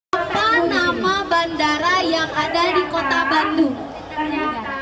apa nama bandara yang ada di kota bandung